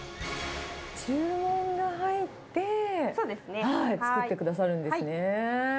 注文が入って、作ってくださるんですね。